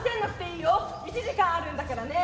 １時間あるんだからね。